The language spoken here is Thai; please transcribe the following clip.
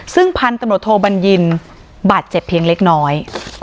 ซึ่งพันธุ์ตำรวจโทบัญญินบาดเจ็บเพียงเล็กน้อย